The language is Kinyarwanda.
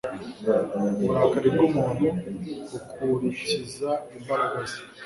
uburakari bw'umuntu bukurikiza imbaraga ze